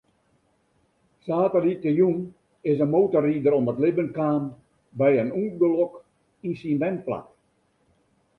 Saterdeitejûn is in motorrider om it libben kaam by in ûngelok yn syn wenplak.